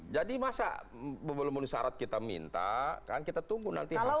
jadi masa belum disarat kita minta kan kita tunggu nanti hasil mk